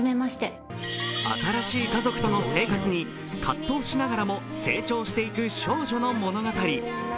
新しい家族との生活に葛藤しながらも成長していく少女の物語。